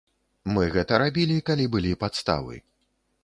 Мы гэта рабілі, калі былі падставы.